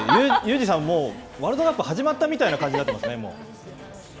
佑二さん、ワールドカップが始まったみたいな感じになってますね。